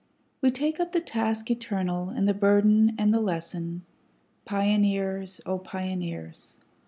We take up the task eternal, and the burden and the lesson, Pioneers! O Pioneers!